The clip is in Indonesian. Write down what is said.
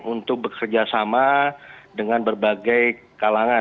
untuk bekerja sama dengan berbagai kalangan